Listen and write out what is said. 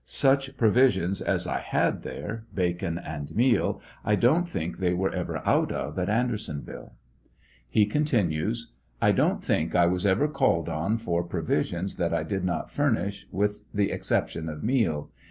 Such provisions as I had there— bacon and meal— I don't think they were ever out of at Andersonville, He continues : I don't think I was ever called on for provisions that I did not furnish, with the exception of meal.